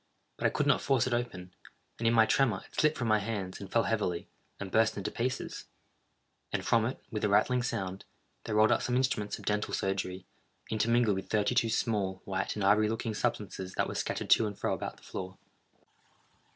But I could not force it open; and in my tremor, it slipped from my hands, and fell heavily, and burst into pieces; and from it, with a rattling sound, there rolled out some instruments of dental surgery, intermingled with thirty two small, white and ivory looking substances that were scattered to and fro about the floor.